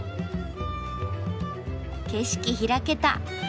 景色開けた。